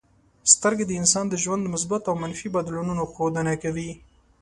سترګې د انسان د ژوند د مثبتو او منفي بدلونونو ښودنه کوي.